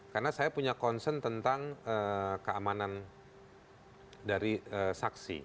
karena saya punya concern tentang keamanan dari saksi